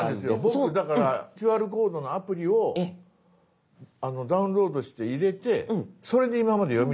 僕だからＱＲコードのアプリをダウンロードして入れてそれで今まで読み取ってたんですよ。